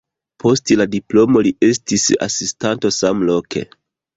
Post la diplomo li estis asistanto samloke.